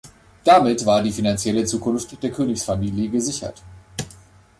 Damit war die finanzielle Zukunft der Königsfamilie gesichert.